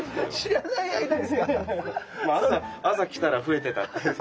朝来たら増えてたっていう。